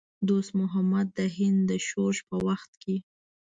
دوست محمد د هند د شورش په وخت کې.